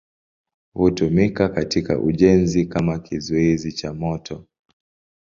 Hutumika katika ujenzi kama kizuizi cha moto.